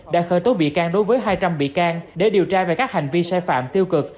đã khởi tố bị can đối với hai trăm linh bị can để điều tra về các hành vi sai phạm tiêu cực